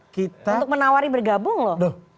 untuk menawari bergabung loh